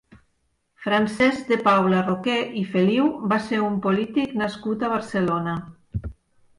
Francesc de Paula Roqué i Feliu va ser un polític nascut a Barcelona.